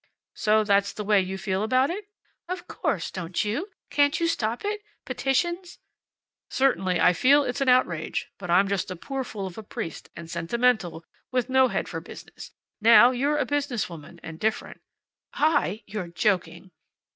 "So that's the way you feel about it?" "Of course. Don't you? Can't you stop it? Petitions " "Certainly I feel it's an outrage. But I'm just a poor fool of a priest, and sentimental, with no head for business. Now you're a business woman, and different." "I! You're joking."